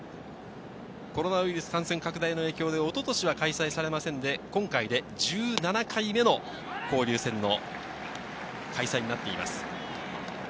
コロナウイルス感染拡大の影響で、一昨年は開催されませんで、今回で１７回目の交流戦の開催になっています。